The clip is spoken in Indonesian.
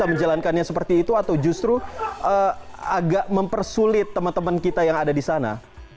bisa menjalankannya seperti itu atau justru agak mempersulit teman teman kita yang ada di sana